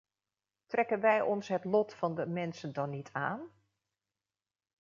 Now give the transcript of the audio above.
Trekken wij ons het lot van de mensen dan niet aan?